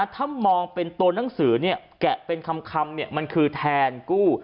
ถ้ามองเป็นตัวหนังสือแกะเป็นคำมันคือแทนกู้